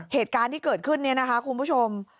เหตุการณ์ที่เกิดขึ้นเนี่ยนะคะคุณผู้ชม